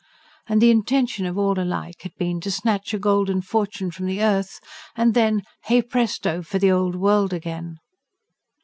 And the intention of all alike had been: to snatch a golden fortune from the earth and then, hey, presto! for the old world again.